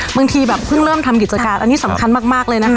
บางทีแบบเพิ่งเริ่มทำกิจการ